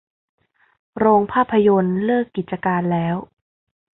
โรงภาพยนตร์เลิกกิจการแล้ว